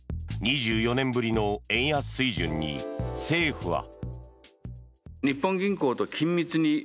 ２４年ぶりの円安水準に政府は。